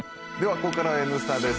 ここからは「Ｎスタ」です。